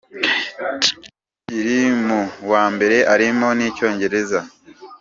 tukiri mu wa mbere arimo n’icyongereza.